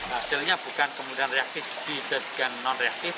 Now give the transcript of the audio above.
hasilnya bukan kemudian reaktif dijadikan non reaktif